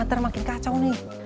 nanti makin kacau nih